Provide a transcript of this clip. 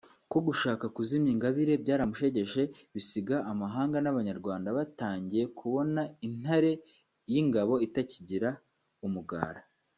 kuko gushaka kuzimya Ingabire byaramushegeshe bisiga amahanga n’abanyarwanda batangiye kubona intare y’ingabo itakigira umugara